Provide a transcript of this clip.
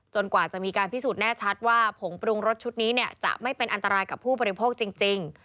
กว่าจะมีการพิสูจน์แน่ชัดว่าผงปรุงรสชุดนี้จะไม่เป็นอันตรายกับผู้บริโภคจริง